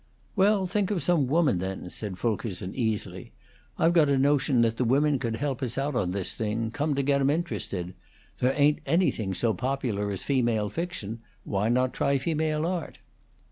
"Well, think of some woman, then," said Fulkerson, easily. "I've got a notion that the women could help us out on this thing, come to get 'em interested. There ain't anything so popular as female fiction; why not try female art?"